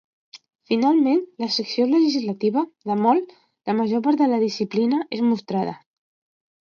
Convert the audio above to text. Finalment, la secció legislativa, de molt, la major part de la disciplina, és mostrada.